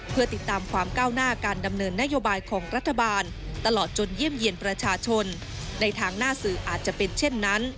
ไปติดตามพร้อมกันจากรายงานเลยค่ะ